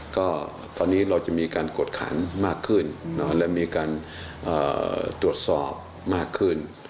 ก็ตอนนี้เราจะมีการกดขันมากขึ้นและมีการตรวจสอบมากขึ้น